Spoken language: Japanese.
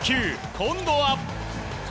今度は。